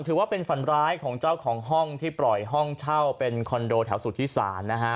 ถือว่าเป็นฝันร้ายของเจ้าของห้องที่ปล่อยห้องเช่าเป็นคอนโดแถวสุธิศาลนะฮะ